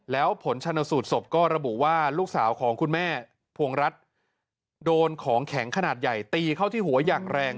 แล้วผลชนสูตรศพก็ระบุว่าลูกสาวของคุณแม่พวงรัฐโดนของแข็งขนาดใหญ่ตีเข้าที่หัวอย่างแรง